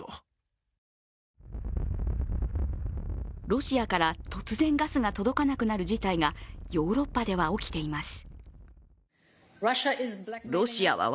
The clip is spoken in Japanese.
ロシアから突然ガスが届かなくなる事態がヨーロッパでは起きています。